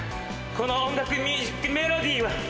この音楽ミュージックメロディーは！